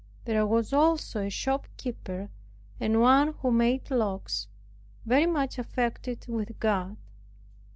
There was also a shopkeeper, and one who made locks, very much affected with God.